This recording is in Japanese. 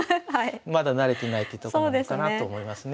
まだ慣れてないってとこなのかなと思いますね。